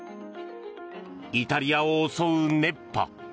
イタリアを襲う熱波。